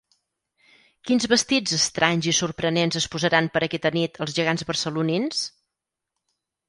Quins vestits estranys i sorprenents es posaran per aquesta nit els gegants barcelonins?